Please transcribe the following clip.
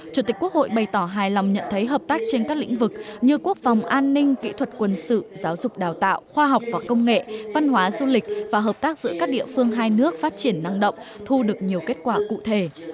chủ tịch quốc hội bày tỏ hài lòng nhận thấy hợp tác trên các lĩnh vực như quốc phòng an ninh kỹ thuật quân sự giáo dục đào tạo khoa học và công nghệ văn hóa du lịch và hợp tác giữa các địa phương hai nước phát triển năng động thu được nhiều kết quả cụ thể